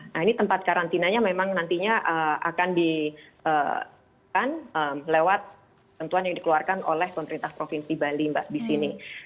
nah ini tempat karantinanya memang nantinya akan di lewat tentuan yang dikeluarkan oleh pemerintah provinsi bali mbak di sini